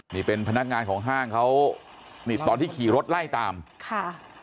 นี่เป็นพนักงานของห้างเขานี่ตอนที่ขี่รถไล่ตามค่ะ